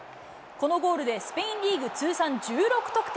このゴールで、スペインリーグ通算１６得点。